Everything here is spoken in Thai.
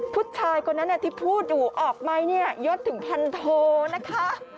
ผู้ชายคนนั้นที่พูดอยู่ออกไหมเนี่ยยศถึงพันโทนะคะ